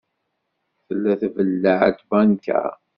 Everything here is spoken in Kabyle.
Tella tbelleɛ tbanka?